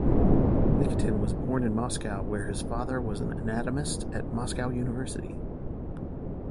Nikitin was born in Moscow where his father was an anatomist at Moscow University.